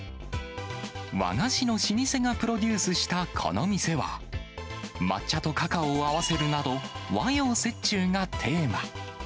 和菓子の老舗がプロデュースしたこの店は、抹茶とカカオを合わせるなど、和洋折衷がテーマ。